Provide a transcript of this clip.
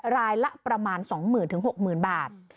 รายละประมาณ๒๐๐๐๖๐๐๐บาท